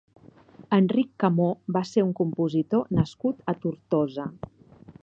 Enric Camó va ser un compositor nascut a Tortosa.